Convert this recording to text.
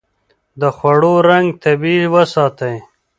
د خوړو رنګ طبيعي وساتئ.